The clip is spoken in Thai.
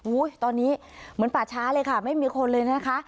ตอนนี้เหมือนป่าช้าเลยค่ะไม่มีคนเลยนะคะ